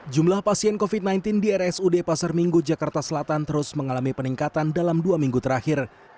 jumlah pasien covid sembilan belas di rsud pasar minggu jakarta selatan terus mengalami peningkatan dalam dua minggu terakhir